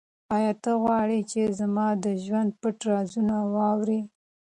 آیا ته غواړې چې زما د ژوند پټ رازونه واورې؟